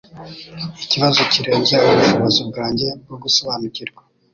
Ikibazo kirenze ubushobozi bwanjye bwo gusobanukirwa